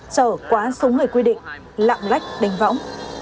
chở quá súng người quy định lạng lách đánh võng